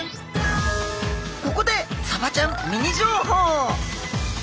ここでサバちゃんミニ情報。